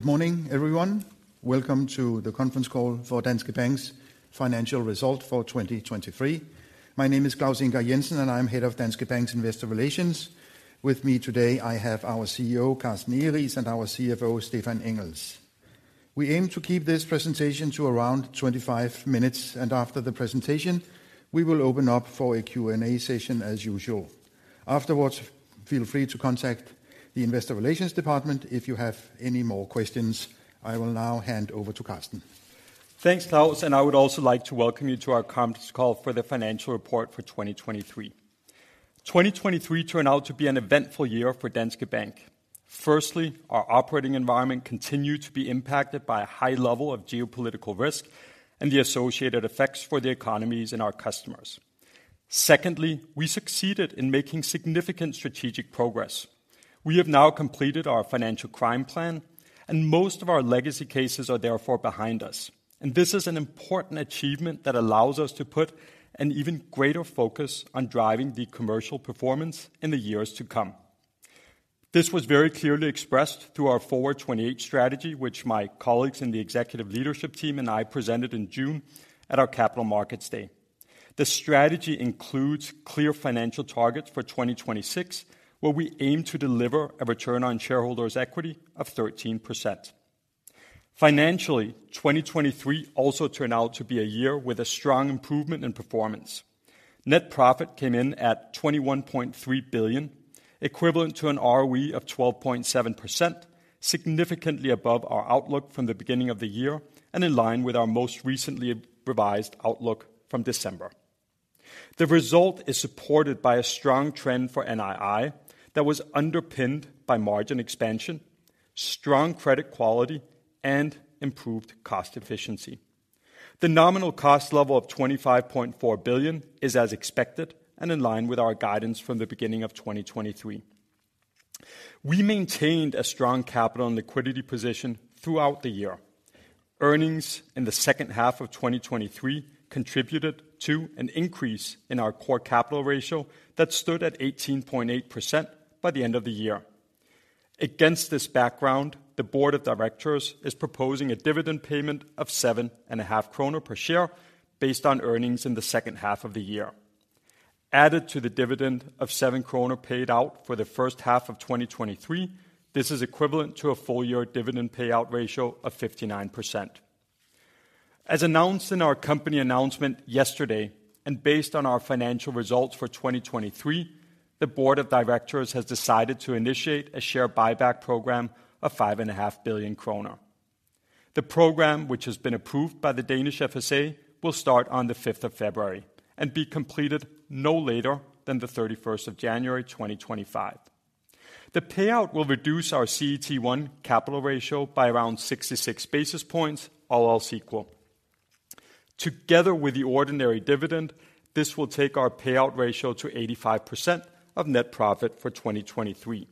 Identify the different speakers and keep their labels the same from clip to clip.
Speaker 1: Good morning, everyone. Welcome to the conference call for Danske Bank's Financial Result for 2023. My name is Claus Ingar Jensen, and I'm Head of Danske Bank's Investor Relations. With me today, I have our CEO, Carsten Egeriis, and our CFO, Stephan Engels. We aim to keep this presentation to around 25 minutes, and after the presentation, we will open up for a Q&A session, as usual. Afterwards, feel free to contact the Investor Relations department if you have any more questions. I will now hand over to Carsten.
Speaker 2: Thanks, Claus, and I would also like to welcome you to our conference call for the financial report for 2023. 2023 turned out to be an eventful year for Danske Bank. Firstly, our operating environment continued to be impacted by a high level of geopolitical risk and the associated effects for the economies and our customers. Secondly, we succeeded in making significant strategic progress. We have now completed our financial crime plan, and most of our legacy cases are therefore behind us, and this is an important achievement that allows us to put an even greater focus on driving the commercial performance in the years to come. This was very clearly expressed through our Forward '28 strategy, which my colleagues in the executive leadership team and I presented in June at our Capital Markets Day. The strategy includes clear financial targets for 2026, where we aim to deliver a return on shareholders' equity of 13%. Financially, 2023 also turned out to be a year with a strong improvement in performance. Net profit came in at 21.3 billion, equivalent to an ROE of 12.7%, significantly above our outlook from the beginning of the year and in line with our most recently revised outlook from December. The result is supported by a strong trend for NII that was underpinned by margin expansion, strong credit quality, and improved cost efficiency. The nominal cost level of 25.4 billion is as expected and in line with our guidance from the beginning of 2023. We maintained a strong capital and liquidity position throughout the year. Earnings in the second half of 2023 contributed to an increase in our core capital ratio that stood at 18.8% by the end of the year. Against this background, the board of directors is proposing a dividend payment of 7.5 kroner per share, based on earnings in the second half of the year. Added to the dividend of 7 kroner paid out for the first half of 2023, this is equivalent to a full-year dividend payout ratio of 59%. As announced in our company announcement yesterday, and based on our financial results for 2023, the Board of Directors has decided to initiate a share buyback program of 5.5 billion kroner. The program, which has been approved by the Danish FSA, will start on the 5th of February and be completed no later than the 31st of January, 2025. The payout will reduce our CET1 capital ratio by around 66 basis points, all else equal. Together with the ordinary dividend, this will take our payout ratio to 85% of net profit for 2023.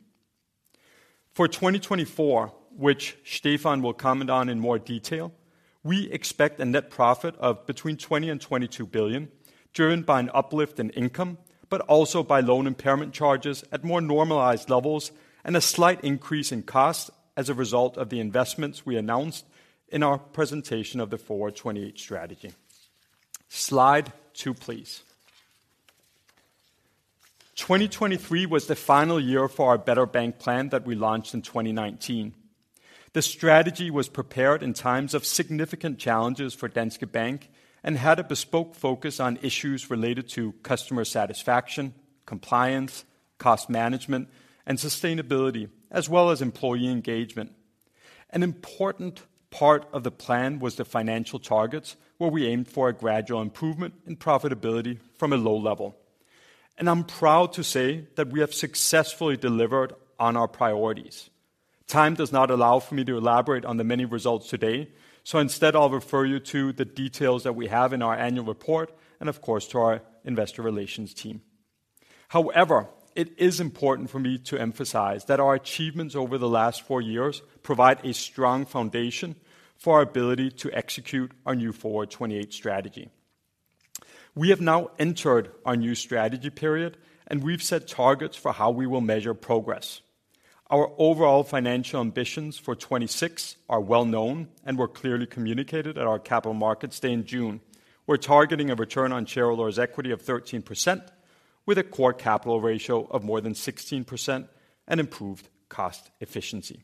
Speaker 2: For 2024, which Stephan will comment on in more detail, we expect a net profit of between 20 billion and 22 billion, driven by an uplift in income, but also by loan impairment charges at more normalized levels and a slight increase in cost as a result of the investments we announced in our presentation of the Forward '28 strategy. Slide two, please. 2023 was the final year for our Better Bank plan that we launched in 2019. The strategy was prepared in times of significant challenges for Danske Bank and had a bespoke focus on issues related to customer satisfaction, compliance, cost management, and sustainability, as well as employee engagement. An important part of the plan was the financial targets, where we aimed for a gradual improvement in profitability from a low level, and I'm proud to say that we have successfully delivered on our priorities. Time does not allow for me to elaborate on the many results today, so instead, I'll refer you to the details that we have in our annual report and, of course, to our Investor Relations team. However, it is important for me to emphasize that our achievements over the last four years provide a strong foundation for our ability to execute our new Forward '28 strategy. We have now entered our new strategy period, and we've set targets for how we will measure progress. Our overall financial ambitions for 2026 are well known and were clearly communicated at our Capital Markets Day in June. We're targeting a return on shareholders' equity of 13%, with a core capital ratio of more than 16% and improved cost efficiency.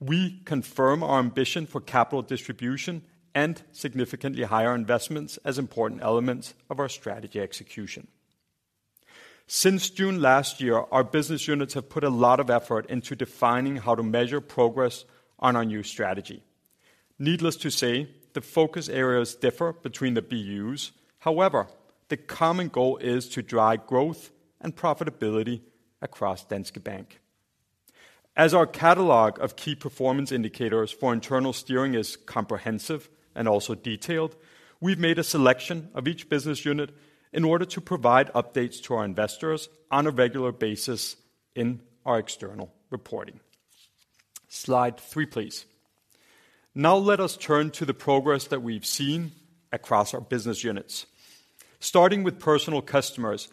Speaker 2: We confirm our ambition for capital distribution and significantly higher investments as important elements of our strategy execution. Since June last year, our business units have put a lot of effort into defining how to measure progress on our new strategy. Needless to say, the focus areas differ between the BUs. However, the common goal is to drive growth and profitability across Danske Bank. As our catalog of key performance indicators for internal steering is comprehensive and also detailed, we've made a selection of each business unit in order to provide updates to our investors on a regular basis in our external reporting. Slide three, please. Now let us turn to the progress that we've seen across our business units. Starting with Personal Customers,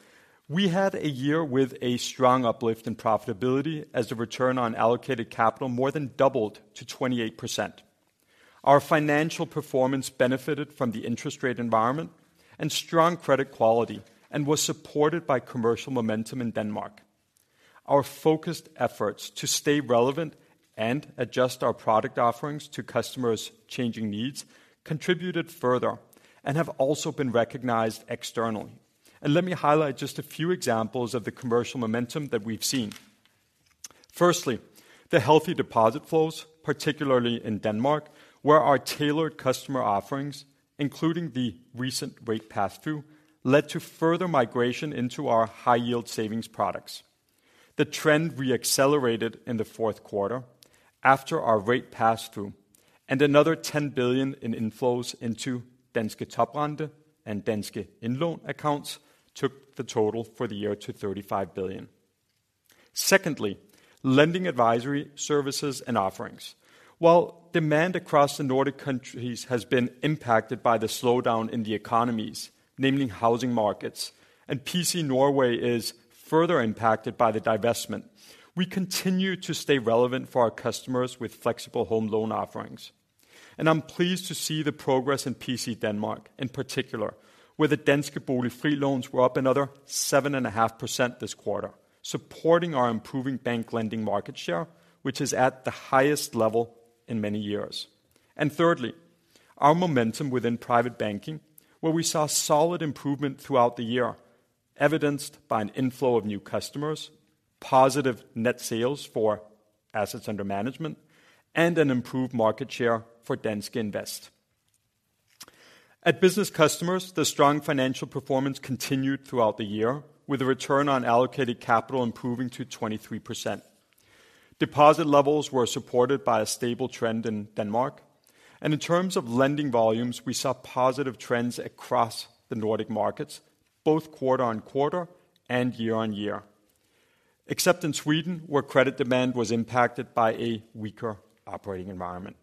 Speaker 2: we had a year with a strong uplift in profitability as the return on allocated capital more than doubled to 28%. Our financial performance benefited from the interest rate environment and strong credit quality, and was supported by commercial momentum in Denmark. Our focused efforts to stay relevant and adjust our product offerings to customers' changing needs contributed further, and have also been recognized externally. Let me highlight just a few examples of the commercial momentum that we've seen. Firstly, the healthy deposit flows, particularly in Denmark, where our tailored customer offerings, including the recent rate pass-through, led to further migration into our high-yield savings products. The trend re-accelerated in the fourth quarter after our rate pass-through, and another 10 billion in inflows into Danske Toprente and Danske Indlån accounts took the total for the year to 35 billion. Secondly, lending advisory services and offerings. While demand across the Nordic countries has been impacted by the slowdown in the economies, namely housing markets, and PC Norway is further impacted by the divestment, we continue to stay relevant for our customers with flexible home loan offerings. And I'm pleased to see the progress in PC Denmark, in particular, where the Danske Bolig Fri loans were up another 7.5% this quarter, supporting our improving bank lending market share, which is at the highest level in many years. And thirdly, our momentum within Private Banking, where we saw solid improvement throughout the year, evidenced by an inflow of new customers, positive net sales for assets under management, and an improved market share for Danske Invest. At Business Customers, the strong financial performance continued throughout the year, with a return on allocated capital improving to 23%. Deposit levels were supported by a stable trend in Denmark, and in terms of lending volumes, we saw positive trends across the Nordic markets, both quarter-on-quarter and year-on-year, except in Sweden, where credit demand was impacted by a weaker operating environment.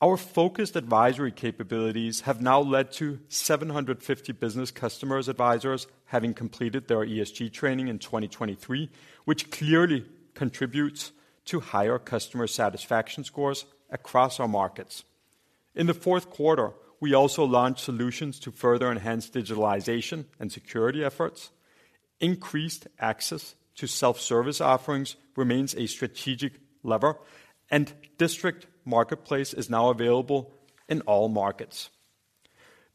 Speaker 2: Our focused advisory capabilities have now led to 750 Business Customers' advisors having completed their ESG training in 2023, which clearly contributes to higher customer satisfaction scores across our markets. In the fourth quarter, we also launched solutions to further enhance digitalization and security efforts. Increased access to self-service offerings remains a strategic lever, and District Marketplace is now available in all markets.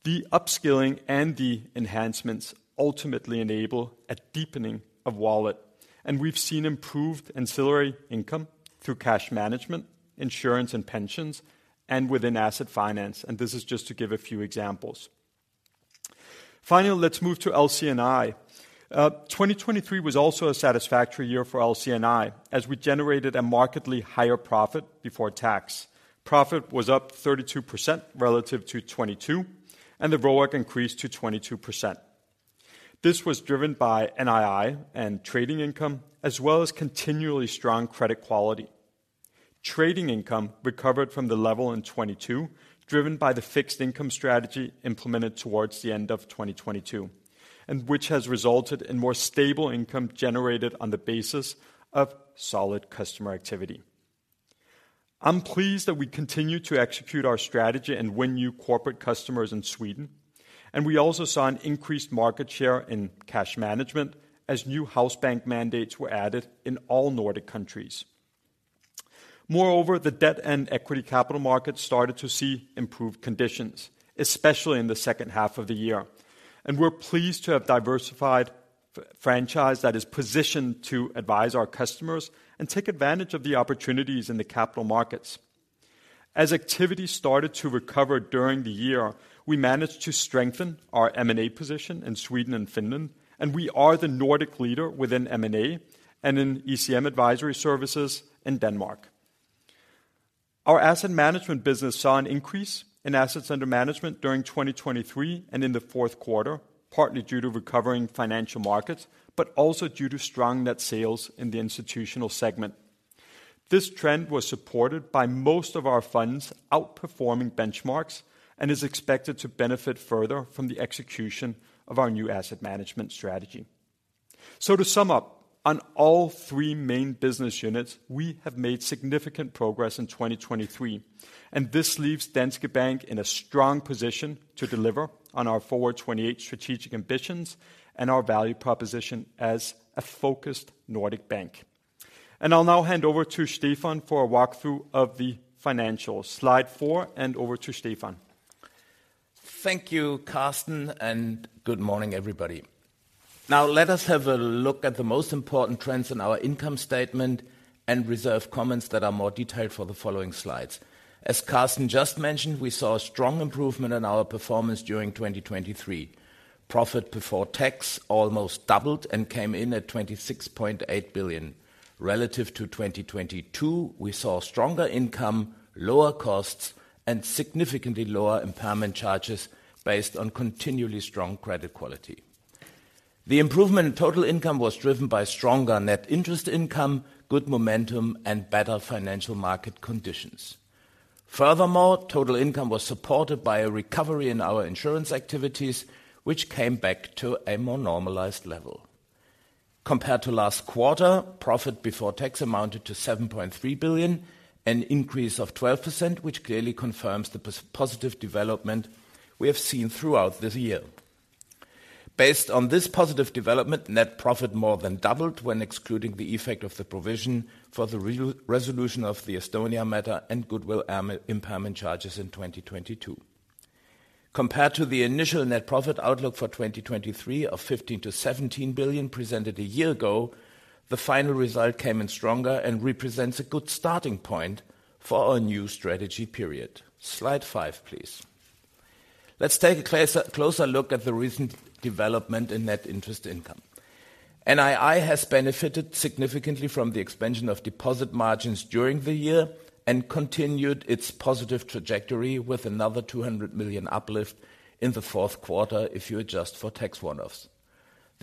Speaker 2: The upskilling and the enhancements ultimately enable a deepening of wallet, and we've seen improved ancillary income through cash management, insurance and pensions, and within asset finance, and this is just to give a few examples. Finally, let's move to LC&I. 2023 was also a satisfactory year for LC&I, as we generated a markedly higher profit before tax. Profit was up 32% relative to 2022, and the ROIC increased to 22%. This was driven by NII and trading income, as well as continually strong credit quality. Trading income recovered from the level in 2022, driven by the fixed income strategy implemented towards the end of 2022, and which has resulted in more stable income generated on the basis of solid customer activity. I'm pleased that we continue to execute our strategy and win new Corporate Customers in Sweden, and we also saw an increased market share in cash management as new house bank mandates were added in all Nordic countries. Moreover, the debt and equity capital markets started to see improved conditions, especially in the second half of the year, and we're pleased to have diversified franchise that is positioned to advise our customers and take advantage of the opportunities in the capital markets. As activity started to recover during the year, we managed to strengthen our M&A position in Sweden and Finland, and we are the Nordic leader within M&A and in ECM advisory services in Denmark. Our Asset Management business saw an increase in assets under management during 2023 and in the fourth quarter, partly due to recovering financial markets, but also due to strong net sales in the Institutional segment. This trend was supported by most of our funds outperforming benchmarks and is expected to benefit further from the execution of our new Asset Management strategy. So to sum up, on all three main business units, we have made significant progress in 2023, and this leaves Danske Bank in a strong position to deliver on our Forward '28 strategic ambitions and our value proposition as a focused Nordic bank. I'll now hand over to Stephan for a walkthrough of the financials. Slide four, and over to Stephan.
Speaker 3: Thank you, Carsten, and good morning, everybody. Now, let us have a look at the most important trends in our income statement and reserve comments that are more detailed for the following slides. As Carsten just mentioned, we saw a strong improvement in our performance during 2023. Profit before tax almost doubled and came in at 26.8 billion. Relative to 2022, we saw stronger income, lower costs, and significantly lower impairment charges based on continually strong credit quality. The improvement in total income was driven by stronger net interest income, good momentum, and better financial market conditions. Furthermore, total income was supported by a recovery in our insurance activities, which came back to a more normalized level. Compared to last quarter, profit before tax amounted to 7.3 billion, an increase of 12%, which clearly confirms the positive development we have seen throughout this year. Based on this positive development, net profit more than doubled when excluding the effect of the provision for the re-resolution of the Estonia matter and goodwill impairment charges in 2022. Compared to the initial net profit outlook for 2023 of 15 billion-17 billion presented a year ago, the final result came in stronger and represents a good starting point for our new strategy period. Slide five, please. Let's take a closer look at the recent development in net interest income. NII has benefited significantly from the expansion of deposit margins during the year and continued its positive trajectory with another 200 million uplift in the fourth quarter if you adjust for tax one-offs.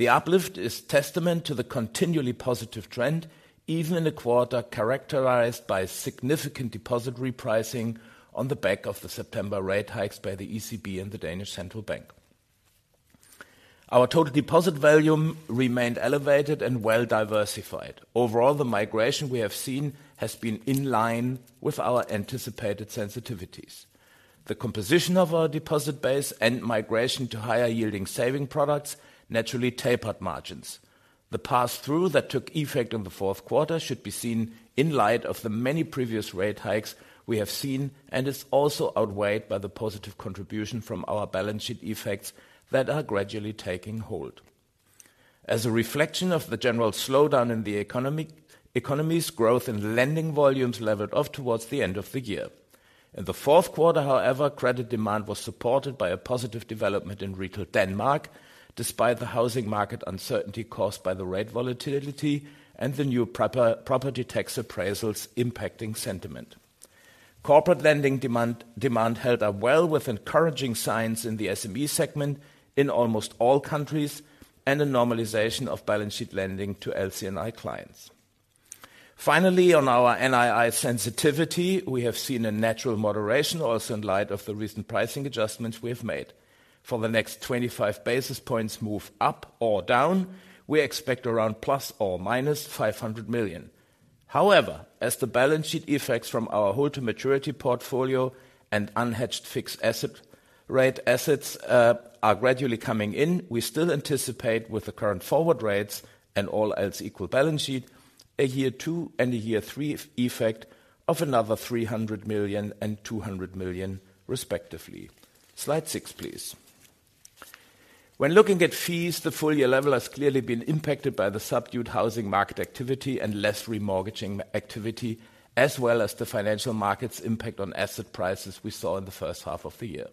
Speaker 3: The uplift is testament to the continually positive trend, even in a quarter characterized by significant deposit repricing on the back of the September rate hikes by the ECB and the Danish Central Bank. Our total deposit volume remained elevated and well-diversified. Overall, the migration we have seen has been in line with our anticipated sensitivities. The composition of our deposit base and migration to higher-yielding saving products naturally tapered margins. The pass-through that took effect in the fourth quarter should be seen in light of the many previous rate hikes we have seen and is also outweighed by the positive contribution from our balance sheet effects that are gradually taking hold. As a reflection of the general slowdown in the economy's growth and lending volumes leveled off towards the end of the year. In the fourth quarter, however, credit demand was supported by a positive development in retail Denmark, despite the housing market uncertainty caused by the rate volatility and the new property tax appraisals impacting sentiment. Corporate lending demand, demand held up well with encouraging signs in the SME segment in almost all countries and a normalization of balance sheet lending to LC&I clients. Finally, on our NII sensitivity, we have seen a natural moderation also in light of the recent pricing adjustments we have made. For the next 25 basis points move up or down, we expect around ± 500 million. However, as the balance sheet effects from our hold-to-maturity portfolio and unhedged fixed asset rate assets are gradually coming in, we still anticipate with the current forward rates and all else equal balance sheet, a year two and a year three effect of another 300 million and 200 million, respectively. Slide six, please. When looking at fees, the full year level has clearly been impacted by the subdued housing market activity and less remortgaging activity, as well as the financial markets' impact on asset prices we saw in the first half of the year.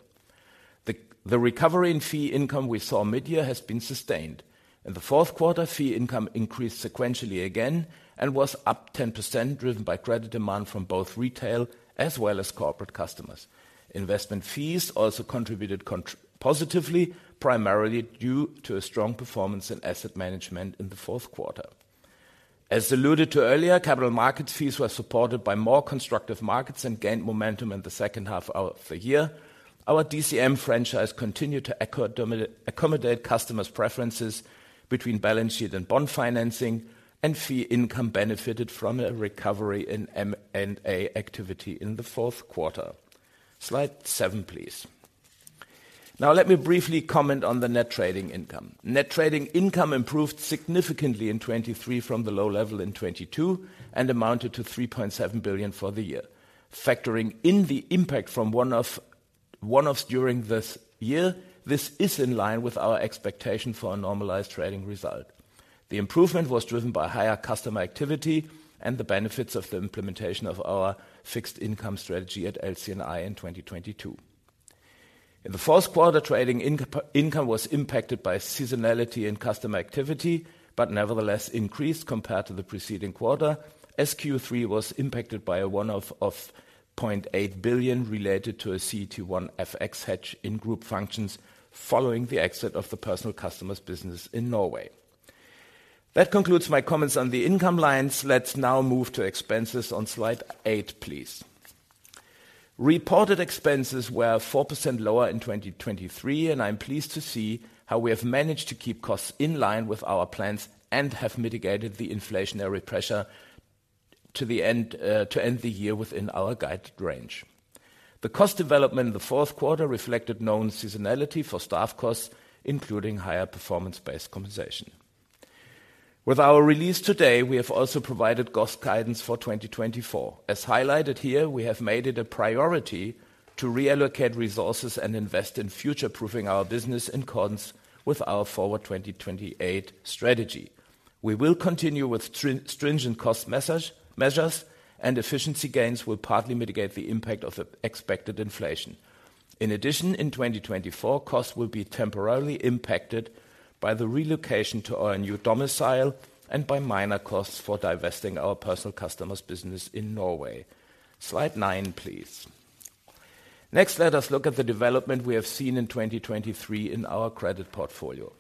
Speaker 3: The recovery in fee income we saw mid-year has been sustained. In the fourth quarter, fee income increased sequentially again and was up 10%, driven by credit demand from both retail as well as Corporate Customers. Investment fees also contributed positively, primarily due to a strong performance in asset management in the fourth quarter. As alluded to earlier, capital markets fees were supported by more constructive markets and gained momentum in the second half of the year. Our DCM franchise continued to accommodate customers' preferences between balance sheet and bond financing, and fee income benefited from a recovery in M&A activity in the fourth quarter. Slide seven, please. Now, let me briefly comment on the net trading income. Net trading income improved significantly in 2023 from the low level in 2022 and amounted to 3.7 billion for the year. Factoring in the impact from one-off, one-offs during this year, this is in line with our expectation for a normalized trading result. The improvement was driven by higher customer activity and the benefits of the implementation of our fixed income strategy at LC&I in 2022. In the fourth quarter, trading inc-income was impacted by seasonality and customer activity, but nevertheless increased compared to the preceding quarter. Q3 was impacted by a one-off of 0.8 billion related to a CET1 FX hedge in group functions following the exit of the Personal Customers business in Norway. That concludes my comments on the income lines. Let's now move to expenses on slide eight, please. Reported expenses were 4% lower in 2023, and I'm pleased to see how we have managed to keep costs in line with our plans and have mitigated the inflationary pressure to the end, to end the year within our guided range. The cost development in the fourth quarter reflected known seasonality for staff costs, including higher performance-based compensation. With our release today, we have also provided cost guidance for 2024. As highlighted here, we have made it a priority to reallocate resources and invest in future-proofing our business in cons with our Forward '28 strategy. We will continue with stringent cost measures, and efficiency gains will partly mitigate the impact of the expected inflation. In addition, in 2024, costs will be temporarily impacted by the relocation to our new domicile and by minor costs for divesting our Personal Customers business in Norway. Slide nine, please. Next, let us look at the development we have seen in 2023 in our credit portfolio.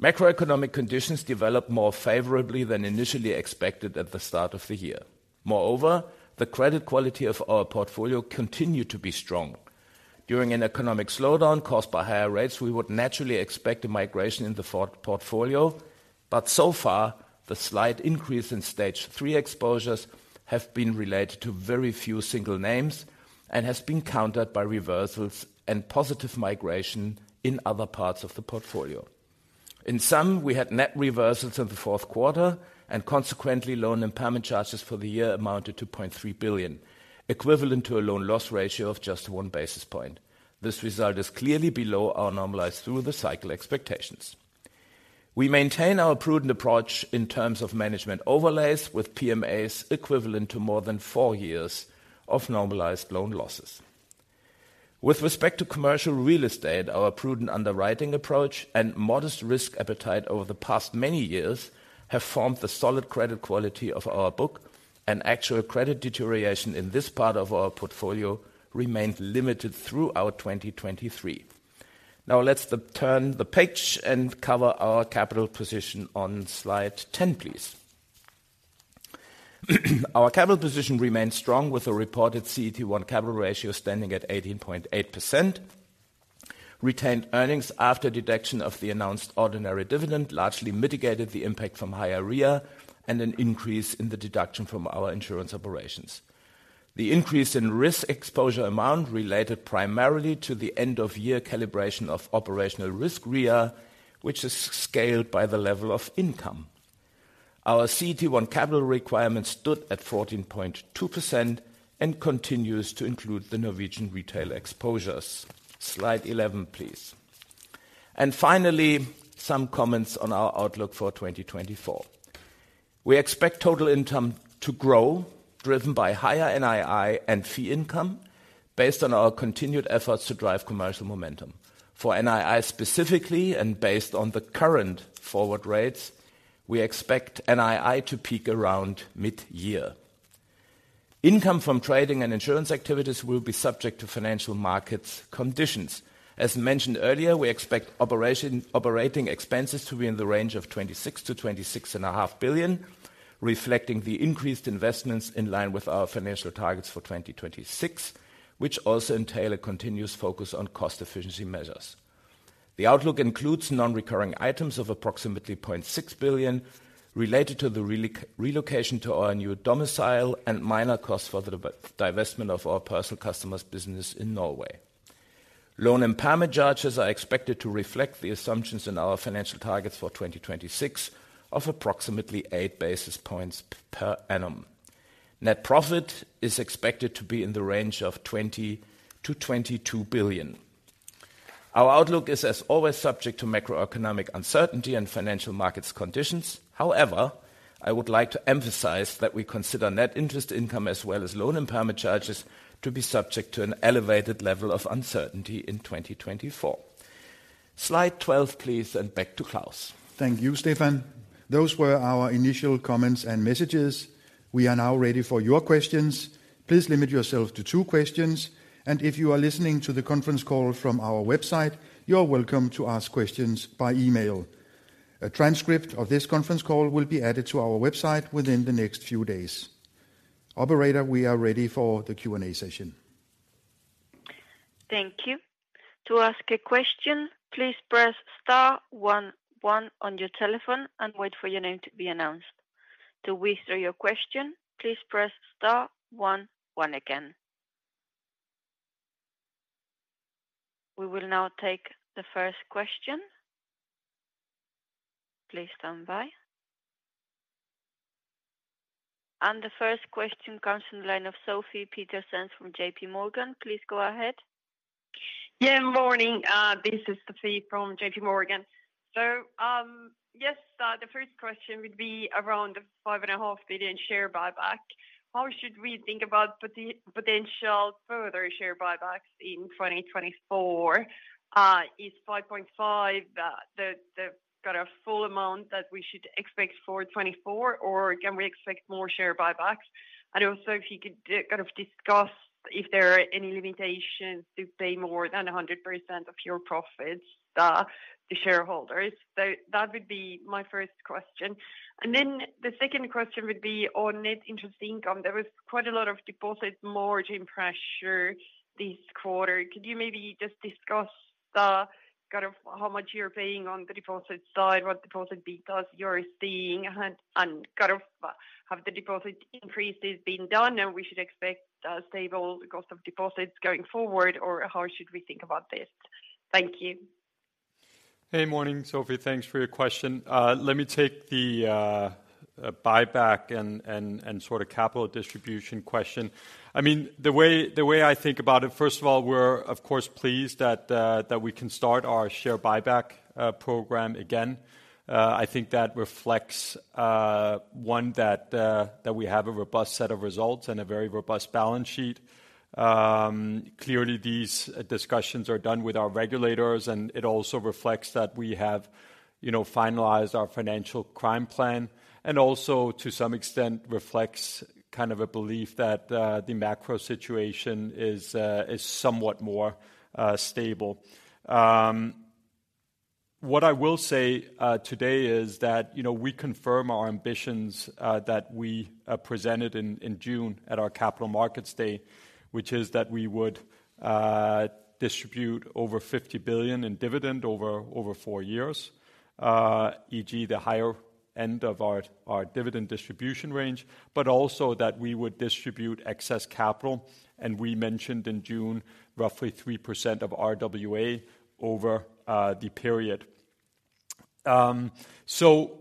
Speaker 3: Macroeconomic conditions developed more favorably than initially expected at the start of the year. Moreover, the credit quality of our portfolio continued to be strong. During an economic slowdown caused by higher rates, we would naturally expect a migration in the portfolio, but so far, the slight increase in stage three exposures have been related to very few single names and has been countered by reversals and positive migration in other parts of the portfolio. In sum, we had net reversals in the fourth quarter, and consequently, loan impairment charges for the year amounted to 0.3 billion, equivalent to a loan loss ratio of just 1 basis point. This result is clearly below our normalized through-the-cycle expectations. We maintain our prudent approach in terms of management overlays, with PMAs equivalent to more than four years of normalized loan losses. With respect to commercial real estate, our prudent underwriting approach and modest risk appetite over the past many years have formed the solid credit quality of our book, and actual credit deterioration in this part of our portfolio remained limited throughout 2023. Now let's turn the page and cover our capital position on slide ten, please. Our capital position remains strong, with a reported CET1 capital ratio standing at 18.8%. Retained earnings after deduction of the announced ordinary dividend largely mitigated the impact from higher RWA and an increase in the deduction from our insurance operations. The increase in risk exposure amount related primarily to the end-of-year calibration of operational risk RWA, which is scaled by the level of income. Our CET1 capital requirement stood at 14.2% and continues to include the Norwegian retail exposures. Slide 11, please. Finally, some comments on our outlook for 2024. We expect total income to grow, driven by higher NII and fee income, based on our continued efforts to drive commercial momentum. For NII specifically, and based on the current forward rates, we expect NII to peak around mid-year. Income from trading and insurance activities will be subject to financial markets conditions. As mentioned earlier, we expect operating expenses to be in the range of 26 billion-26.5 billion, reflecting the increased investments in line with our financial targets for 2026, which also entail a continuous focus on cost efficiency measures. The outlook includes non-recurring items of approximately 0.6 billion, related to the relocation to our new domicile and minor costs for the divestment of our Personal Customers business in Norway. Loan impairment charges are expected to reflect the assumptions in our financial targets for 2026 of approximately 8 basis points per annum. Net profit is expected to be in the range of 20 billion-22 billion. Our outlook is, as always, subject to macroeconomic uncertainty and financial markets conditions. However, I would like to emphasize that we consider net interest income as well as loan impairment charges to be subject to an elevated level of uncertainty in 2024. Slide 12, please, and back to Claus.
Speaker 1: Thank you, Stephan. Those were our initial comments and messages. We are now ready for your questions. Please limit yourself to two questions, and if you are listening to the conference call from our website, you are welcome to ask questions by email. A transcript of this conference call will be added to our website within the next few days. Operator, we are ready for the Q&A session.
Speaker 4: Thank you. To ask a question, please press star one one on your telephone and wait for your name to be announced. To withdraw your question, please press star one one again. We will now take the first question. Please stand by. The first question comes from the line of Sofie Peterzéns from JPMorgan. Please go ahead.
Speaker 5: Yeah, morning. This is Sofie from JPMorgan. So, yes, the first question would be around the 5.5 billion share buyback. How should we think about the potential further share buybacks in 2024? Is 5.5 billion the kind of full amount that we should expect for 2024, or can we expect more share buybacks? And also, if you could kind of discuss if there are any limitations to pay more than 100% of your profits to shareholders. So that would be my first question. And then the second question would be on net interest income. There was quite a lot of deposit margin pressure this quarter. Could you maybe just discuss the, kind of how much you're paying on the deposit side, what deposit because you're seeing and, and kind of, have the deposit increases been done, and we should expect a stable cost of deposits going forward or how should we think about this? Thank you.
Speaker 2: Hey, morning, Sofie. Thanks for your question. Let me take the buyback and sort of capital distribution question. I mean, the way I think about it, first of all, we're of course pleased that we can start our share buyback program again. I think that reflects one, that we have a robust set of results and a very robust balance sheet. Clearly, these discussions are done with our regulators, and it also reflects that we have, you know, finalized our financial crime plan, and also, to some extent, reflects kind of a belief that the macro situation is somewhat more stable. What I will say today is that, you know, we confirm our ambitions that we presented in June at our Capital Markets Day, which is that we would distribute over 50 billion in dividend over four years. E.g., the higher end of our dividend distribution range, but also that we would distribute excess capital, and we mentioned in June, roughly 3% of RWA over the period. So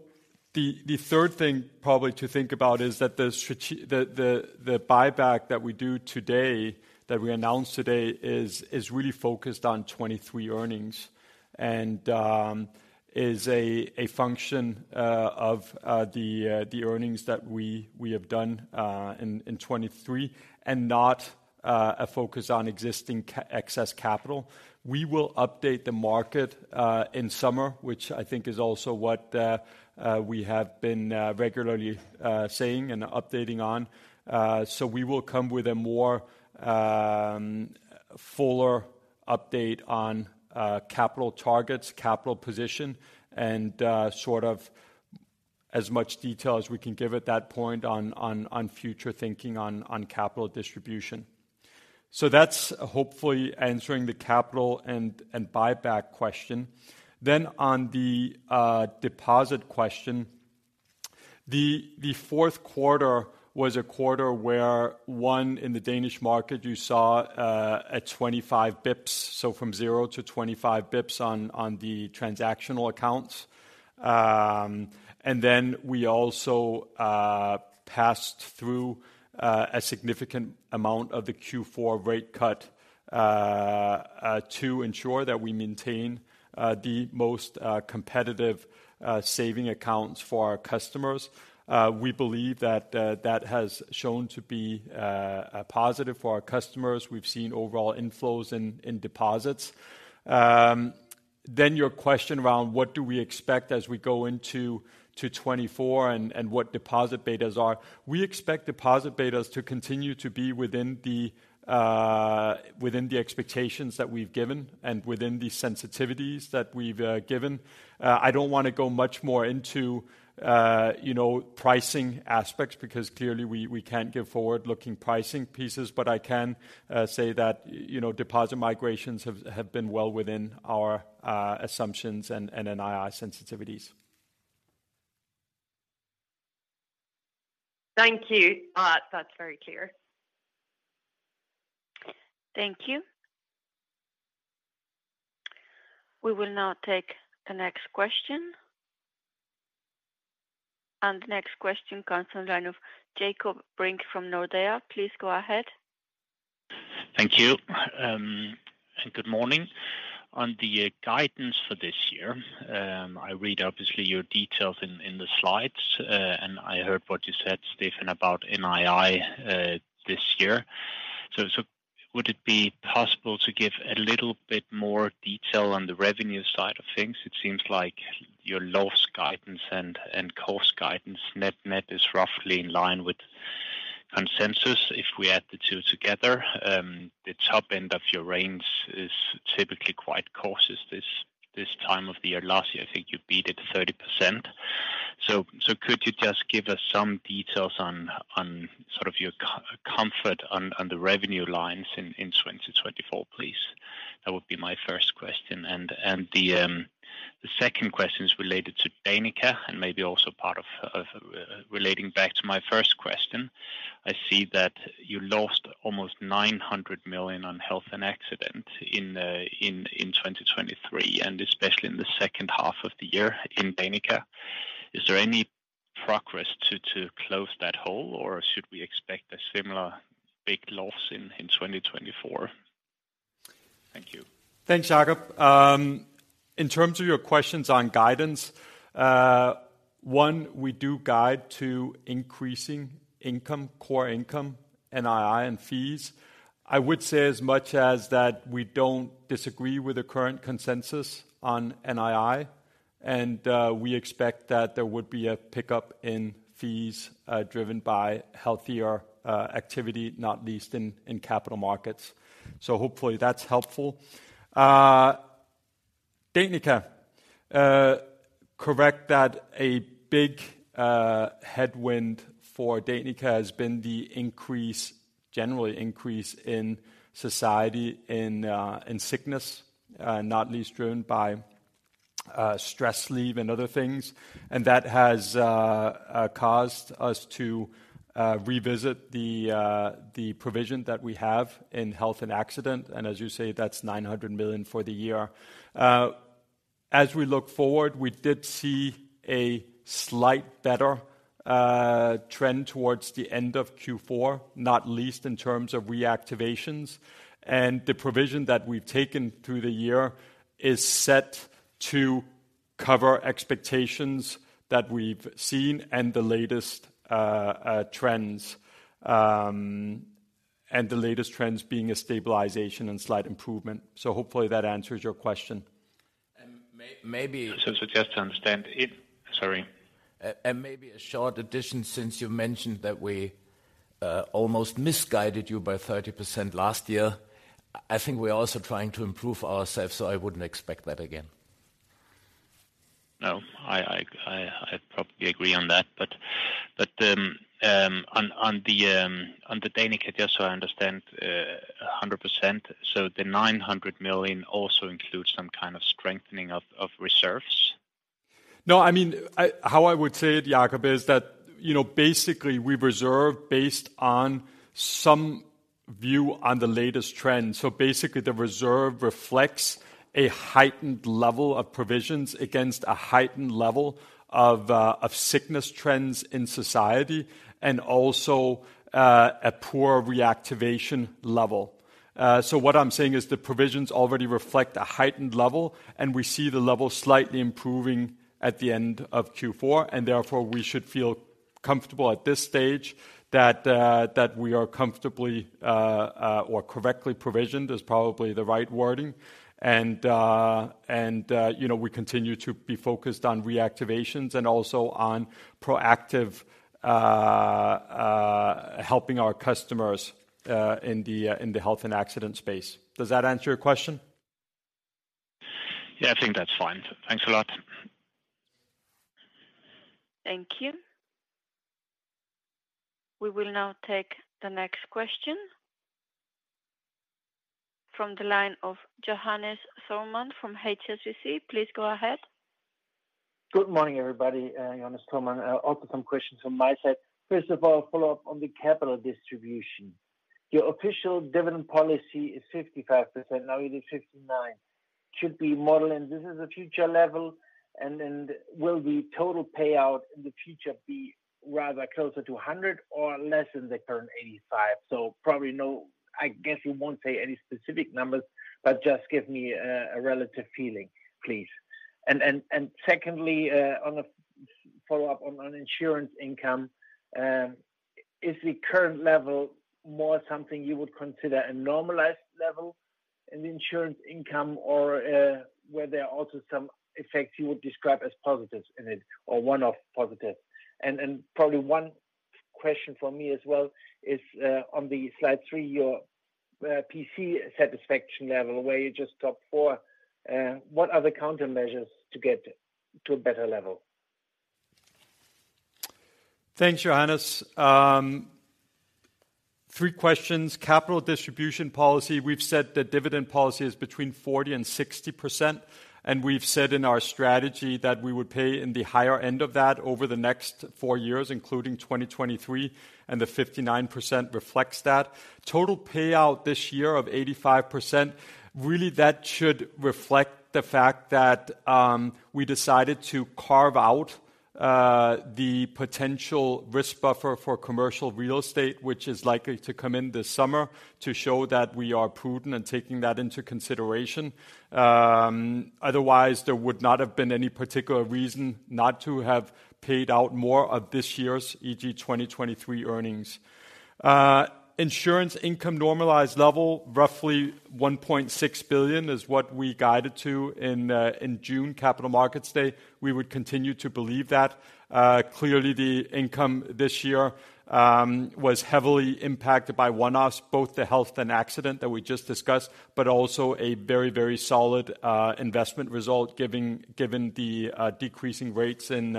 Speaker 2: the third thing probably to think about is that the buyback that we do today, that we announced today is really focused on 2023 earnings, and is a function of the earnings that we have done in 2023, and not a focus on existing excess capital. We will update the market in summer, which I think is also what we have been regularly saying and updating on. So we will come with a more fuller update on capital targets, capital position, and sort of as much detail as we can give at that point on future thinking on capital distribution. So that's hopefully answering the capital and buyback question. Then on the deposit question, the fourth quarter was a quarter where one, in the Danish market, you saw a 25 basis points, so from 0-25 basis points on the transactional accounts. And then we also passed through a significant amount of the Q4 rate cut to ensure that we maintain the most competitive savings accounts for our customers. We believe that, that has shown to be a positive for our customers. We've seen overall inflows in deposits. Then your question around what do we expect as we go into 2024 and what deposit betas are? We expect deposit betas to continue to be within the expectations that we've given and within the sensitivities that we've given. I don't want to go much more into you know, pricing aspects because clearly we can't give forward-looking pricing pieces, but I can say that, you know, deposit migrations have been well within our assumptions and NII sensitivities.
Speaker 5: Thank you. That's very clear.
Speaker 4: Thank you. We will now take the next question. The next question comes on the line of Jakob Brink from Nordea. Please go ahead.
Speaker 6: Thank you, and good morning. On the guidance for this year, I read obviously your details in the slides, and I heard what you said, Stephan, about NII this year. So would it be possible to give a little bit more detail on the revenue side of things? It seems like your loss guidance and cost guidance net-net is roughly in line with consensus. If we add the two together, the top end of your range is typically quite cautious this time of the year. Last year, I think you beat it 30%. So could you just give us some details on sort of your comfort on the revenue lines in 2024, please? That would be my first question, and the second question is related to Danica and maybe also part of relating back to my first question. I see that you lost almost 900 million on health and accident in 2023, and especially in the second half of the year in Danica. Is there any progress to close that hole, or should we expect a similar big loss in 2024? Thank you.
Speaker 2: Thanks, Jacob. In terms of your questions on guidance, one, we do guide to increasing income, core income, NII, and fees. I would say as much as that we don't disagree with the current consensus on NII, and we expect that there would be a pickup in fees, driven by healthier activity, not least in capital markets. So hopefully that's helpful. Danica, correct that a big headwind for Danica has been the increase, general increase in society, in sickness, not least driven by stress leave and other things. And that has caused us to revisit the provision that we have in health and accident, and as you say, that's 900 million for the year. As we look forward, we did see a slight better trend towards the end of Q4, not least in terms of reactivations, and the provision that we've taken through the year is set to cover expectations that we've seen and the latest trends. The latest trends being a stabilization and slight improvement. So hopefully that answers your question.
Speaker 3: And maybe.
Speaker 6: So, just to understand it. Sorry.
Speaker 3: Maybe a short addition, since you mentioned that we almost misguided you by 30% last year. I think we are also trying to improve ourselves, so I wouldn't expect that again.
Speaker 6: No, I probably agree on that. But on the Danica, just so I understand 100%, so the 900 million also includes some kind of strengthening of reserves?
Speaker 2: No, I mean, how I would say it, Jacob, is that, you know, basically, we reserve based on some view on the latest trends. So basically, the reserve reflects a heightened level of provisions against a heightened level of sickness trends in society, and also a poor reactivation level. So what I'm saying is the provisions already reflect a heightened level, and we see the level slightly improving at the end of Q4, and therefore, we should feel comfortable at this stage that we are comfortably or correctly provisioned, is probably the right wording. And you know, we continue to be focused on reactivations and also on proactive helping our customers in the health and accident space. Does that answer your question?
Speaker 6: Yeah, I think that's fine. Thanks a lot.
Speaker 4: Thank you. We will now take the next question from the line of Johannes Thormann from HSBC. Please go ahead.
Speaker 7: Good morning, everybody. Johannes Thormann. Also some questions from my side. First of all, follow up on the capital distribution. Your official dividend policy is 55%, now it is 59%. Should we model, and this is a future level, and then will the total payout in the future be rather closer to 100% or less than the current 85%? So probably, no, I guess you won't say any specific numbers, but just give me a relative feeling, please. Secondly, on a follow-up on insurance income, is the current level more something you would consider a normalized level in insurance income, or, were there also some effects you would describe as positives in it, or one-off positives? Probably one question for me as well is, on the slide three, your PC satisfaction level, where you just top four, what are the countermeasures to get to a better level?
Speaker 2: Thanks, Johannes. Three questions. Capital distribution policy. We've said that dividend policy is between 40%-60%, and we've said in our strategy that we would pay in the higher end of that over the next four years, including 2023, and the 59% reflects that. Total payout this year of 85%, really, that should reflect the fact that we decided to carve out the potential risk buffer for commercial real estate, which is likely to come in this summer, to show that we are prudent and taking that into consideration. Otherwise, there would not have been any particular reason not to have paid out more of this year's EG 2023 earnings. Insurance income normalized level, roughly 1.6 billion is what we guided to in June capital markets day. We would continue to believe that. Clearly, the income this year was heavily impacted by one-offs, both the health and accident that we just discussed, but also a very, very solid investment result, given the decreasing rates in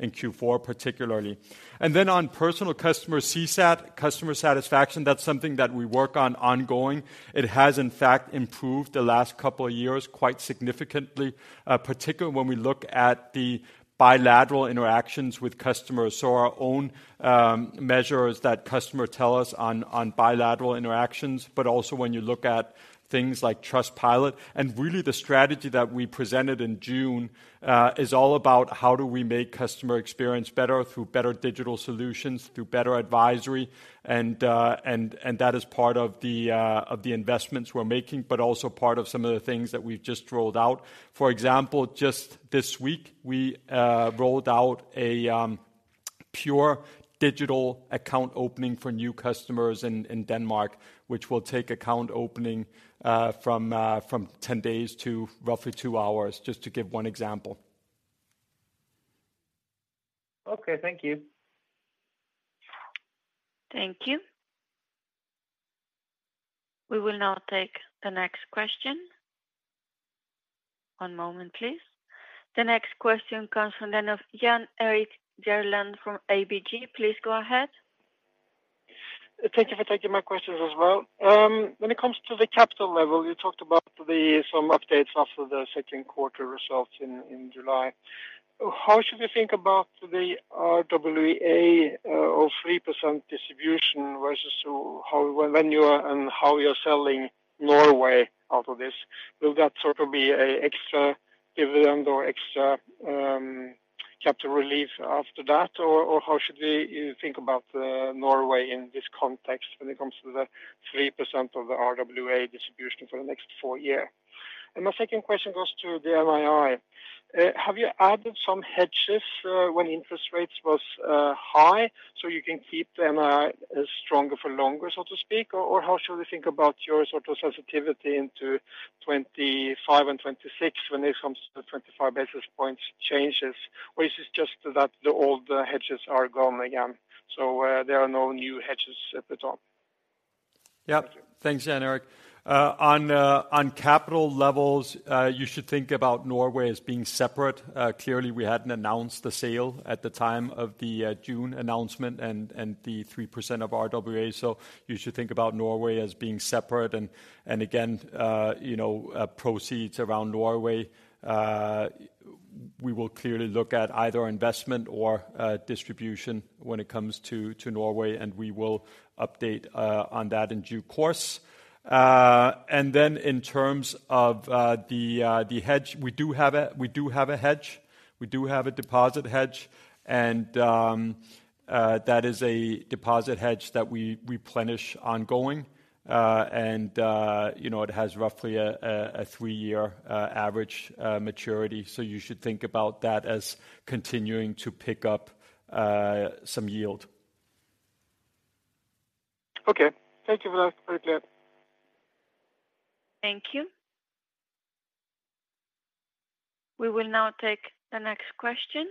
Speaker 2: Q4, particularly. And then on personal customer CSAT, customer satisfaction, that's something that we work on ongoing. It has, in fact, improved the last couple of years quite significantly, particularly when we look at the bilateral interactions with customers. So our own measures that customer tell us on bilateral interactions, but also when you look at things like Trustpilot. And really, the strategy that we presented in June is all about how do we make customer experience better through better digital solutions, through better advisory, and that is part of the investments we're making, but also part of some of the things that we've just rolled out. For example, just this week, we rolled out a pure digital account opening for new customers in Denmark, which will take account opening from 10 days to roughly two hours, just to give one example.
Speaker 7: Okay, thank you.
Speaker 4: Thank you. We will now take the next question. One moment, please. The next question comes from Jan Erik Gjerland from ABG. Please go ahead.
Speaker 8: Thank you for taking my questions as well. When it comes to the capital level, you talked about some updates after the second quarter results in July. How should we think about the RWA of 3% distribution versus how, when you are, and how you're selling Norway out of this? Will that sort of be a extra dividend or extra capital relief after that? Or how should we think about Norway in this context when it comes to the 3% of the RWA distribution for the next four year? And my second question goes to the NII. Have you added some hedges when interest rates was high, so you can keep the NII stronger for longer, so to speak? Or how should we think about your sort of sensitivity into 2025 and 2026 when it comes to the 25 basis points changes, or is it just that the old hedges are gone again, so there are no new hedges at the top?
Speaker 2: Yep. Thanks again, Erik. On capital levels, you should think about Norway as being separate. Clearly, we hadn't announced the sale at the time of the June announcement and the 3% of RWA. So you should think about Norway as being separate and again, you know, proceeds around Norway, we will clearly look at either investment or distribution when it comes to Norway, and we will update on that in due course. And then in terms of the hedge, we do have a hedge. We do have a deposit hedge, and that is a deposit hedge that we replenish ongoing. And you know, it has roughly a three-year average maturity. So you should think about that as continuing to pick up some yield.
Speaker 8: Okay. Thank you for that. Very clear.
Speaker 4: Thank you. We will now take the next question.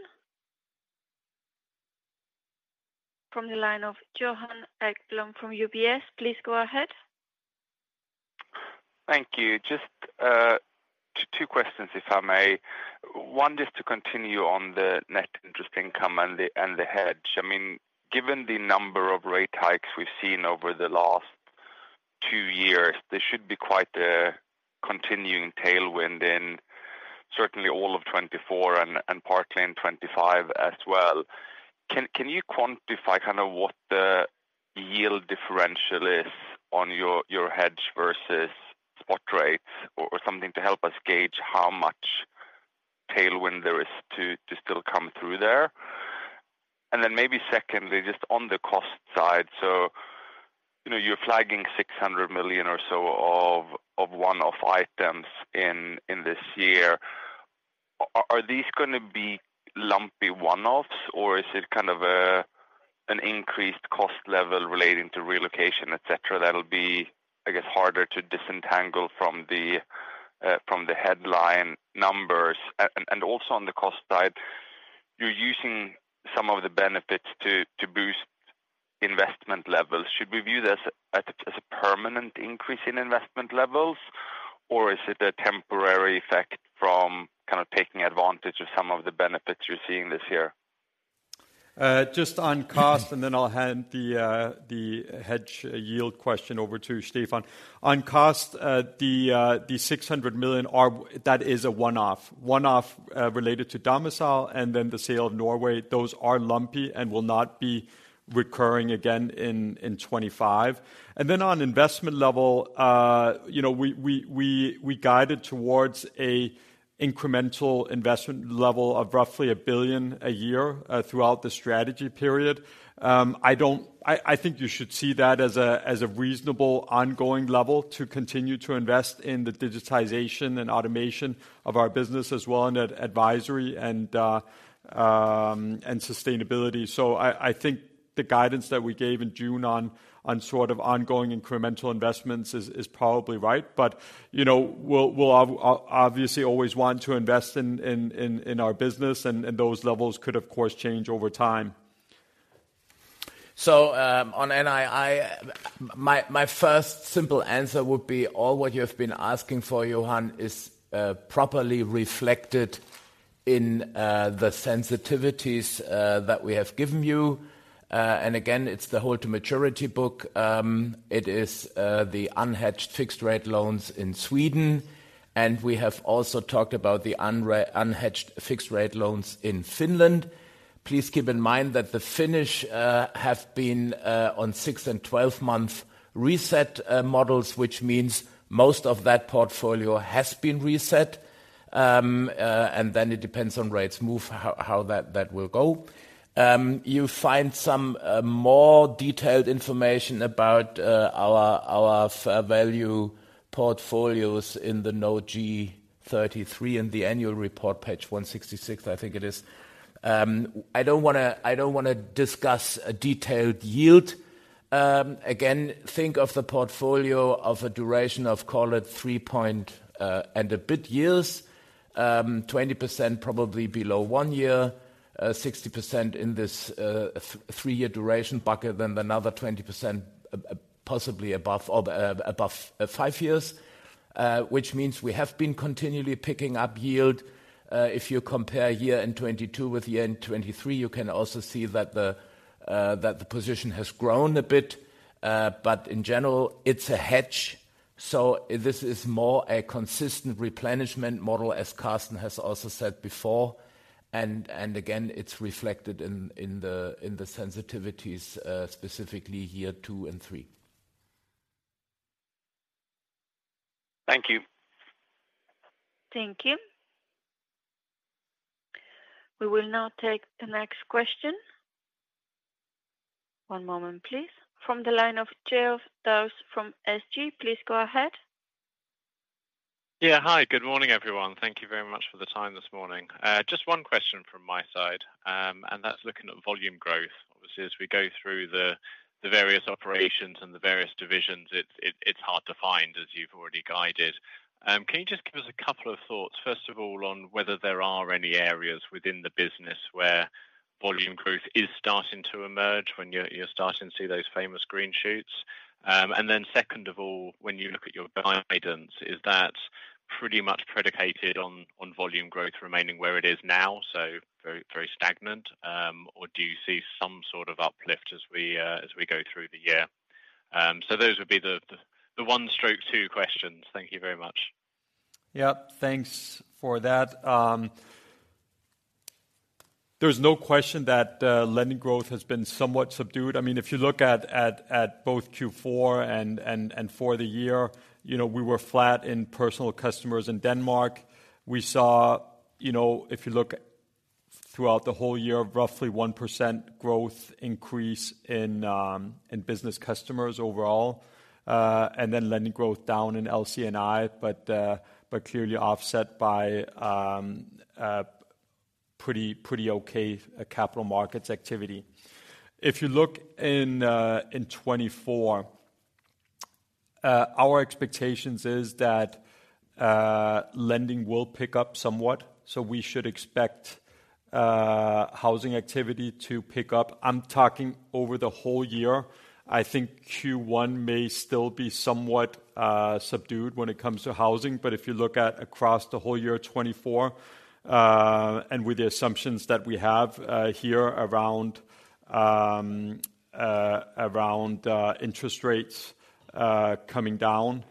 Speaker 4: From the line of Johan Ekblom from UBS, please go ahead.
Speaker 9: Thank you. Just two questions, if I may. One, just to continue on the net interest income and the hedge. I mean, given the number of rate hikes we've seen over the last two years, there should be quite a continuing tailwind in certainly all of 2024 and partly in 2025 as well. Can you quantify kind of what the yield differential is on your hedge versus spot rates, or something to help us gauge how much tailwind there is to still come through there? And then maybe secondly, just on the cost side, so, you know, you're flagging 600 million or so of one-off items in this year. Are these gonna be lumpy one-offs, or is it kind of a, an increased cost level relating to relocation, et cetera, that'll be, I guess, harder to disentangle from the headline numbers? And also on the cost side, you're using some of the benefits to boost investment levels. Should we view this as a permanent increase in investment levels, or is it a temporary effect from kind of taking advantage of some of the benefits you're seeing this year?
Speaker 2: Just on cost, and then I'll hand the hedge yield question over to Stephan. On cost, the 600 million are, that is a one-off. One-off, related to domicile and then the sale of Norway. Those are lumpy and will not be recurring again in 2025. And then on investment level, you know, we guided towards a incremental investment level of roughly 1 billion a year, throughout the strategy period. I don't, I think you should see that as a reasonable ongoing level to continue to invest in the digitization and automation of our business, as well in the advisory and sustainability. So I think the guidance that we gave in June on sort of ongoing incremental investments is probably right. You know, we'll obviously always want to invest in our business, and those levels could, of course, change over time.
Speaker 3: So, on NII, my first simple answer would be all what you have been asking for, Johan, is properly reflected in the sensitivities that we have given you. And again, it's the hold-to-maturity book. It is the unhedged fixed-rate loans in Sweden, and we have also talked about the unhedged fixed-rate loans in Finland. Please keep in mind that the Finnish have been on six and 12-month reset models, which means most of that portfolio has been reset. And then it depends on rates move, how that will go. You find some more detailed information about our fair value portfolios in the Note G33 in the annual report, page 166, I think it is. I don't wanna discuss a detailed yield. Again, think of the portfolio of a duration of, call it three point and a bit years. Twenty percent probably below one year, 60% in this three-year duration bucket, then another 20%, possibly above or above five years, which means we have been continually picking up yield. If you compare year-end 2022 with year-end 2023, you can also see that the position has grown a bit, but in general, it's a hedge. So this is more a consistent replenishment model, as Carsten has also said before, and again, it's reflected in the sensitivities, specifically year two and three.
Speaker 9: Thank you.
Speaker 4: Thank you. We will now take the next question. One moment, please. From the line of Geoff Dawes from SG, please go ahead.
Speaker 10: Yeah. Hi, good morning, everyone. Thank you very much for the time this morning. Just one question from my side, and that's looking at volume growth. Obviously, as we go through the various operations and the various divisions, it's hard to find, as you've already guided. Can you just give us a couple of thoughts, first of all, on whether there are any areas within the business where volume growth is starting to emerge, when you're starting to see those famous green shoots? And then second of all, when you look at your guidance, is that pretty much predicated on volume growth remaining where it is now, so very, very stagnant? Or do you see some sort of uplift as we go through the year? So those would be the one stroke, two questions. Thank you very much.
Speaker 2: Yeah, thanks for that. There's no question that lending growth has been somewhat subdued. I mean, if you look at both Q4 and for the year, you know, we were flat in Personal Customers in Denmark. We saw, you know, if you look throughout the whole year, roughly 1% growth increase in Business Customers overall, and then lending growth down in LC&I, but clearly offset by pretty okay capital markets activity. If you look in 2024, our expectations is that lending will pick up somewhat, so we should expect housing activity to pick up. I'm talking over the whole year. I think Q1 may still be somewhat subdued when it comes to housing, but if you look at across the whole year 2024, and with the assumptions that we have here around around interest rates coming down,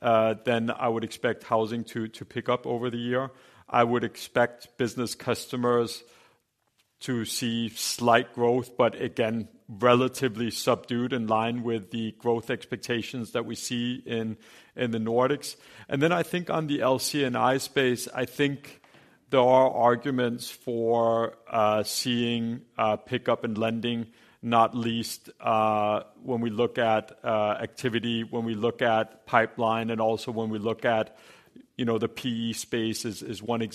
Speaker 2: then I would expect housing to pick up over the year. I would expect Business Customers to see slight growth, but again, relatively subdued, in line with the growth expectations that we see in the Nordics. And then I think on the LC&I space, I think there are arguments for seeing pickup in lending, not least when we look at activity, when we look at pipeline, and also when we look at, you know, the PE space is likely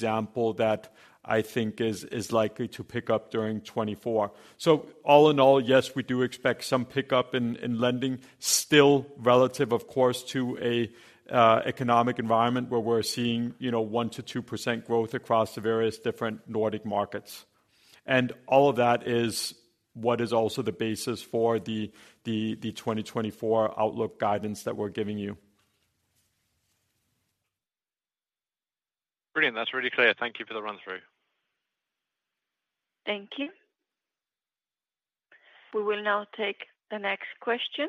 Speaker 2: to pick up during 2024. So all in all, yes, we do expect some pickup in lending, still relative, of course, to an economic environment where we're seeing, you know, 1%-2% growth across the various different Nordic markets. And all of that is what is also the basis for the 2024 outlook guidance that we're giving you.
Speaker 10: Brilliant. That's really clear. Thank you for the run-through.
Speaker 4: Thank you. We will now take the next question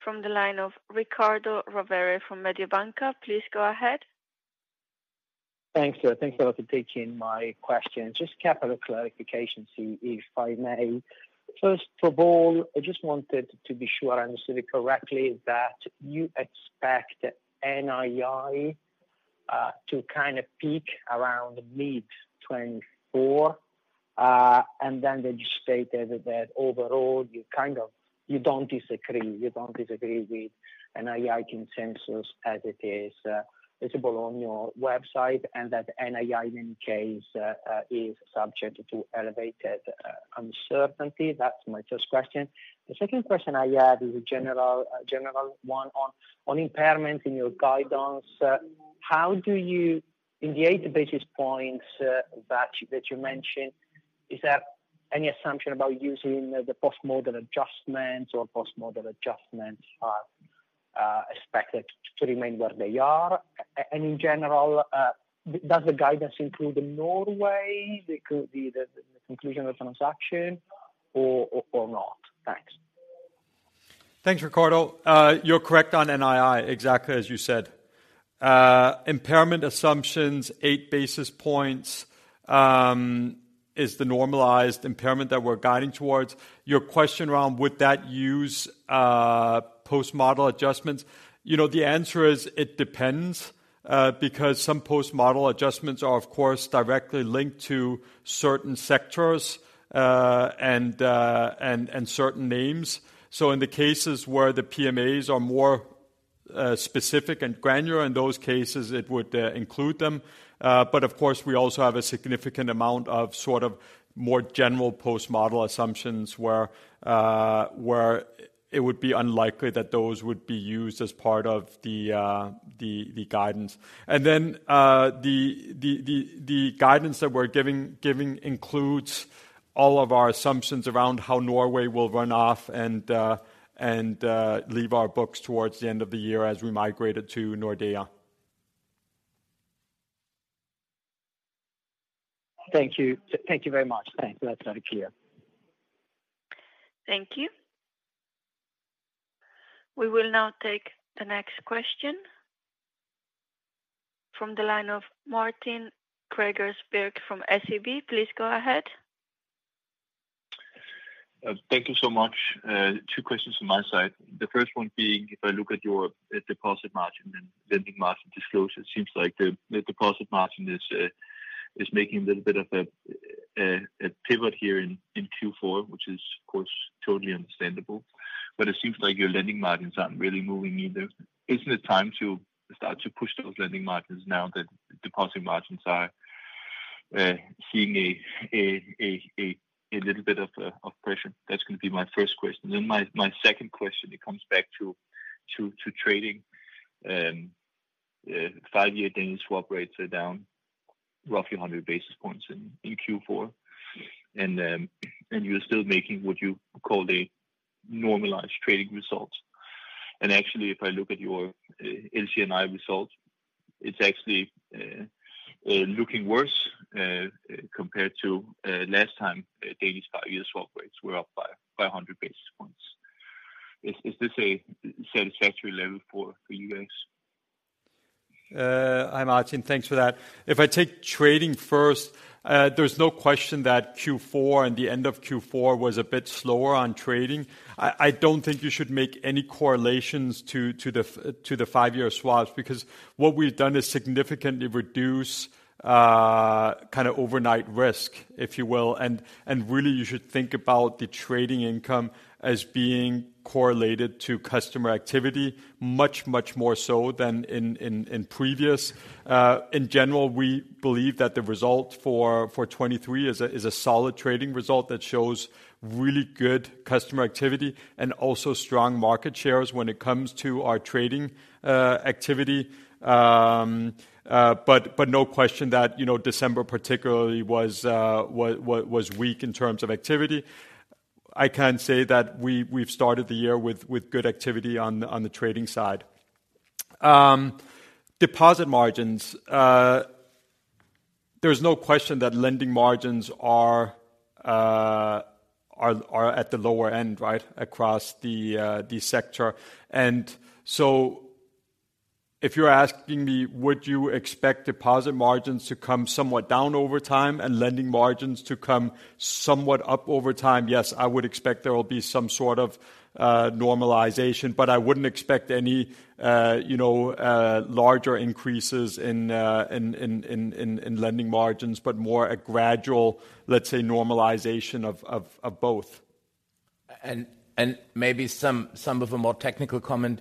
Speaker 4: from the line of Riccardo Rovere from Mediobanca. Please go ahead.
Speaker 11: Thanks. Thanks a lot for taking my question. Just a couple of clarifications here, if I may. First of all, I just wanted to be sure I understood it correctly. Is that you expect NII to kind of peak around mid-2024, and then you stated that overall, you kind of—you don't disagree, you don't disagree with NII consensus as it is visible on your website, and that NII in case is subject to elevated uncertainty. That's my first question. The second question I had is a general, a general one on impairment in your guidance. How do you, in the 8 basis points that, that you mentioned, is there any assumption about using the post-model adjustments or post-model adjustments are expected to remain where they are? In general, does the guidance include Norway, including the conclusion of the transaction or not? Thanks.
Speaker 2: Thanks, Riccardo. You're correct on NII, exactly as you said. Impairment assumptions, 8 basis points, is the normalized impairment that we're guiding towards. Your question around would that use post-model adjustments, you know, the answer is it depends, because some post-model adjustments are of course directly linked to certain sectors, and certain names. So in the cases where the PMAs are more specific and granular, in those cases, it would include them. But of course, we also have a significant amount of sort of more general post-model assumptions where it would be unlikely that those would be used as part of the guidance. And then, the guidance that we're giving includes all of our assumptions around how Norway will run off and leave our books towards the end of the year as we migrate it to Nordea.
Speaker 11: Thank you. Thank you very much. Thanks. That's very clear.
Speaker 4: Thank you. We will now take the next question from the line of Martin Gregers Birk from SEB. Please go ahead.
Speaker 12: Thank you so much. Two questions on my side. The first one being, if I look at your deposit margin and lending margin disclosure, it seems like the deposit margin is making a little bit of a pivot here in Q4, which is, of course, totally understandable. But it seems like your lending margins aren't really moving either. Isn't it time to start to push those lending margins now that deposit margins are seeing a little bit of pressure? That's going to be my first question. Then my second question, it comes back to trading. Five-year Danish swap rates are down roughly 100 basis points in Q4. And you're still making what you call the normalized trading results. Actually, if I look at your LC&I results, it's actually looking worse compared to last time Danish five-year swap rates were up by 100 basis points. Is this a satisfactory level for you guys?
Speaker 2: Hi, Martin. Thanks for that. If I take trading first, there's no question that Q4 and the end of Q4 was a bit slower on trading. I don't think you should make any correlations to the five-year swaps, because what we've done is significantly reduce kind of overnight risk, if you will. And really you should think about the trading income as being correlated to customer activity, much, much more so than in previous. In general, we believe that the result for 2023 is a solid trading result that shows really good customer activity and also strong market shares when it comes to our trading activity. But no question that, you know, December particularly was weak in terms of activity. I can say that we, we've started the year with good activity on the trading side. Deposit margins. There's no question that lending margins are at the lower end, right, across the sector. And so if you're asking me, would you expect deposit margins to come somewhat down over time and lending margins to come somewhat up over time? Yes, I would expect there will be some sort of normalization, but I wouldn't expect any, you know, larger increases in lending margins, but more a gradual, let's say, normalization of both.
Speaker 3: And maybe a more technical comment.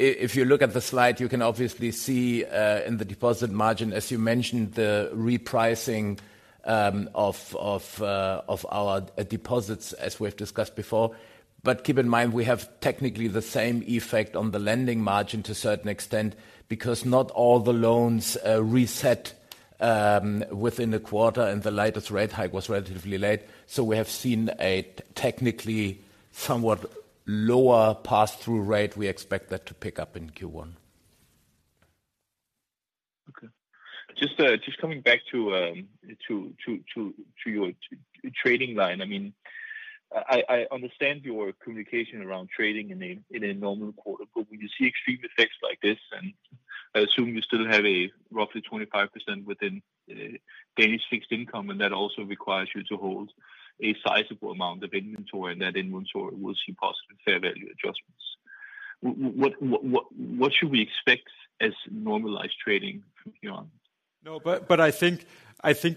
Speaker 3: If you look at the slide, you can obviously see in the deposit margin, as you mentioned, the repricing of our deposits, as we've discussed before. But keep in mind, we have technically the same effect on the lending margin to a certain extent because not all the loans reset within the quarter, and the latest rate hike was relatively late. So we have seen a technically somewhat lower pass-through rate. We expect that to pick up in Q1.
Speaker 12: Okay. Just, just coming back to your trading line. I mean, I understand your communication around trading in a normal quarter, but when you see extreme effects like this, and I assume you still have a roughly 25% within Danish fixed income, and that also requires you to hold a sizable amount of inventory, and that inventory will see positive fair value adjustments. What should we expect as normalized trading from here on?
Speaker 2: No, but I think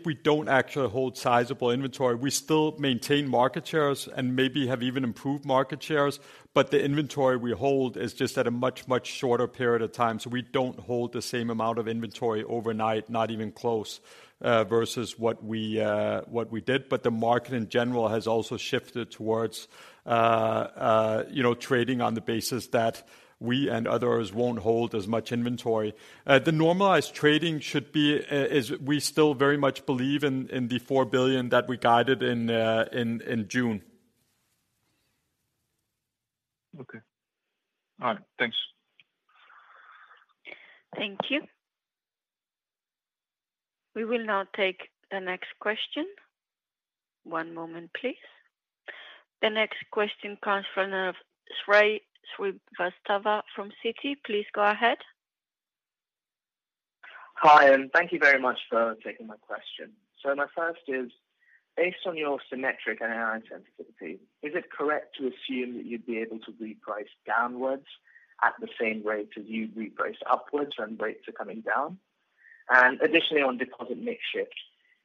Speaker 2: we don't actually hold sizable inventory. We still maintain market shares and maybe have even improved market shares, but the inventory we hold is just at a much, much shorter period of time. So we don't hold the same amount of inventory overnight, not even close, versus what we did. But the market in general has also shifted towards, you know, trading on the basis that we and others won't hold as much inventory. The normalized trading should be. We still very much believe in the 4 billion that we guided in June.
Speaker 12: Okay. All right. Thanks.
Speaker 4: Thank you. We will now take the next question. One moment, please. The next question comes from Shrey Srivastava from Citi. Please go ahead.
Speaker 13: Hi, and thank you very much for taking my question. So my first is, based on your symmetric and sensitivity, is it correct to assume that you'd be able to reprice downwards at the same rate as you reprice upwards when rates are coming down? And additionally, on deposit mix shift,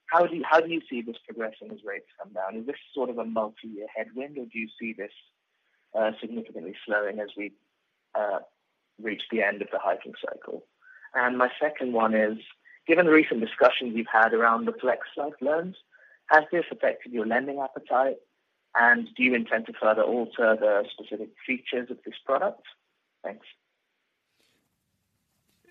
Speaker 13: how do you see this progressing as rates come down? Is this sort of a multi-year headwind, or do you see this significantly slowing as we reach the end of the hiking cycle? And my second one is: Given the recent discussions you've had around the flex loans, has this affected your lending appetite? And do you intend to further alter the specific features of this product? Thanks.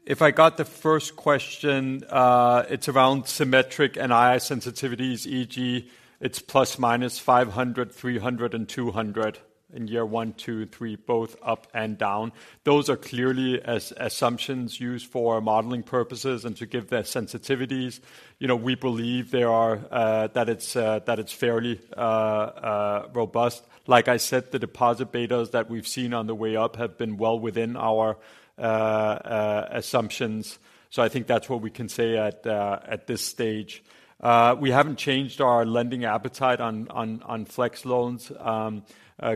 Speaker 2: If I got the first question, it's around symmetric NII sensitivities, e.g., it's ± 500 million, 300 million, and 200 million in year one, two, three, both up and down. Those are clearly assumptions used for modeling purposes and to give their sensitivities. You know, we believe that it's fairly robust. Like I said, the deposit betas that we've seen on the way up have been well within our assumptions. So I think that's what we can say at this stage. We haven't changed our lending appetite on flex loans.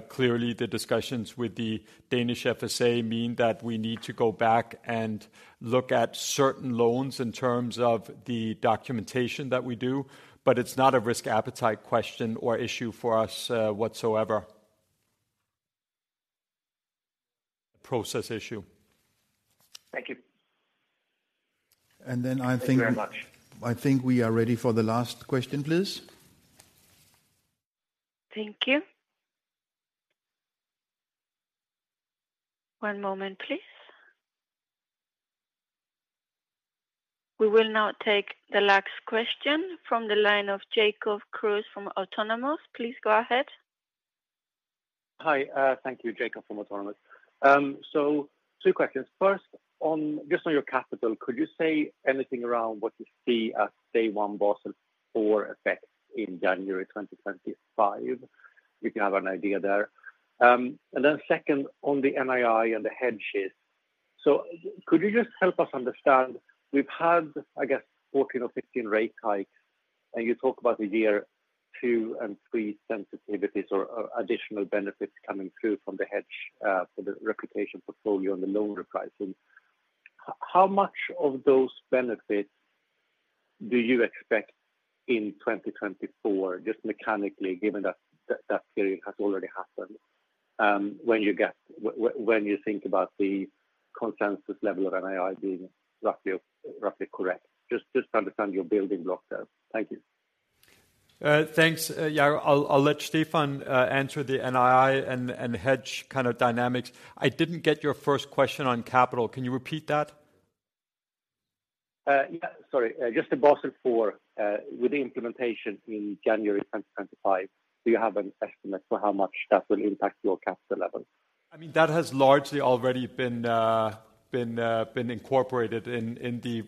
Speaker 2: Clearly, the discussions with the Danish FSA mean that we need to go back and look at certain loans in terms of the documentation that we do, but it's not a risk appetite question or issue for us whatsoever. Process issue.
Speaker 13: Thank you.
Speaker 1: And then I think.
Speaker 13: Thank you very much.
Speaker 1: I think we are ready for the last question, please.
Speaker 4: Thank you. One moment, please. We will now take the last question from the line of Jacob Kruse from Autonomous. Please go ahead.
Speaker 14: Hi, thank you. Jacob from Autonomous. So two questions. First, just on your capital, could you say anything around what you see as day one Basel IV effect in January 2025? You can have an idea there. And then second, on the NII and the hedge shift. So could you just help us understand? We've had, I guess, 14 or 15 rate hikes, and you talk about the year two and three sensitivities or additional benefits coming through from the hedge for the replication portfolio and the loan repricing. How much of those benefits do you expect in 2024, just mechanically, given that period has already happened, when you think about the consensus level of NII being roughly correct? Just to understand your building blocks there. Thank you.
Speaker 2: Thanks, yeah, I'll let Stephan answer the NII and hedge kind of dynamics. I didn't get your first question on capital. Can you repeat that?
Speaker 14: Yeah, sorry. Just the Basel IV with the implementation in January 2025, do you have an estimate for how much that will impact your capital level?
Speaker 2: I mean, that has largely already been incorporated in the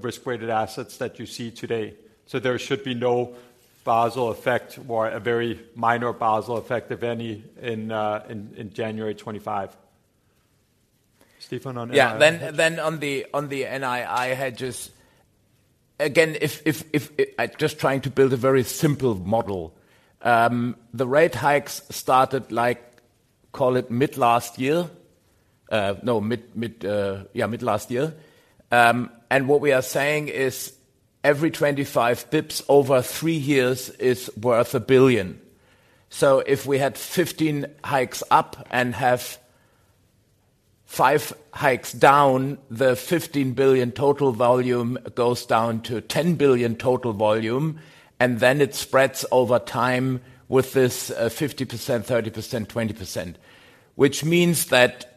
Speaker 2: risk-weighted assets that you see today. So there should be no Basel effect or a very minor Basel effect, if any, in January 2025. Stephan on NII.
Speaker 3: Yeah. Then on the NII hedges. Again, if just trying to build a very simple model, the rate hikes started like, call it mid last year, no, yeah, mid last year. And what we are saying is every 25 basis points over three years is worth 1 billion. So if we had 15 hikes up and have five hikes down, the 15 billion total volume goes down to 10 billion total volume, and then it spreads over time with this 50%, 30%, 20%. Which means that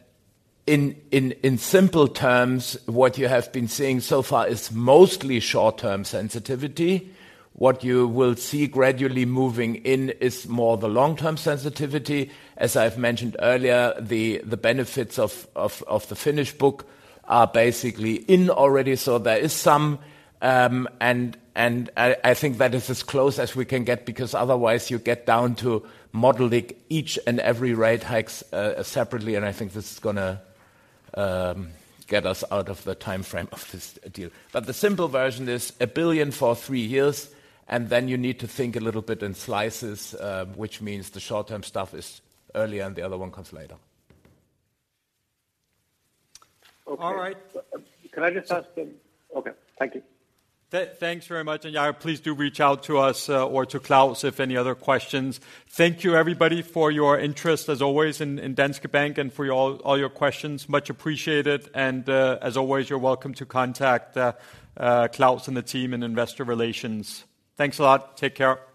Speaker 3: in simple terms, what you have been seeing so far is mostly short-term sensitivity. What you will see gradually moving in is more the long-term sensitivity. As I've mentioned earlier, the benefits of the Finnish book are basically in already, so there is some and I think that is as close as we can get, because otherwise you get down to modeling each and every rate hikes separately, and I think this is gonna get us out of the time frame of this deal. But the simple version is 1 billion for three years, and then you need to think a little bit in slices, which means the short-term stuff is early and the other one comes later.
Speaker 2: All right.
Speaker 14: Can I just ask them? Okay, thank you.
Speaker 2: Thanks very much, and, yeah, please do reach out to us, or to Claus if any other questions. Thank you, everybody, for your interest, as always, in Danske Bank and for all, all your questions. Much appreciated, and, as always, you're welcome to contact Claus and the team in Investor Relations. Thanks a lot. Take care.